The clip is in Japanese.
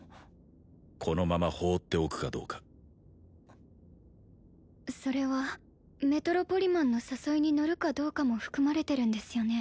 このまま放っておくかどうかそれはメトロポリマンの誘いにのるかどうかも含まれてるんですよね？